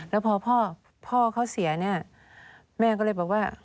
แล้วพอพ่อเขาเสียเนี่ยแม่ก็เลยบอกว่า